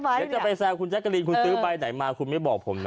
เดี๋ยวจะไปแซวคุณแจ๊กกะลินคุณซื้อใบไหนมาคุณไม่บอกผมนะ